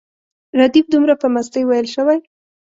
ردیف دومره په مستۍ ویل شوی.